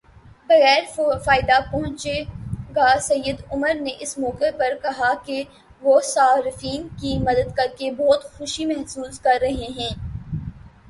بغیر فائدہ پہنچے گا سید عمر نے اس موقع پر کہا کہ وہ صارفین کی مدد کرکے بہت خوشی محسوس کر رہے ہیں